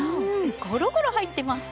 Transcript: ゴロゴロ入ってます！